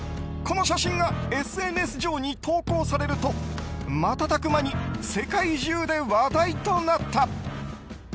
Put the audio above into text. この写真がＳＮＳ上に投稿されると瞬く間に世界中で話題となった。